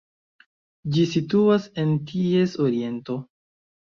Ĝi situas en ties oriento.